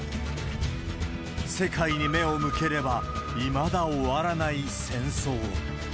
世界に目を向ければ、いまだ終わらない戦争。